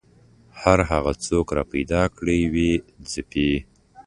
هر هغه څوک راپیدا کړي ویې ځپي